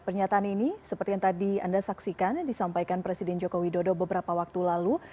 pernyataan ini seperti yang tadi anda saksikan disampaikan presiden joko widodo beberapa waktu lalu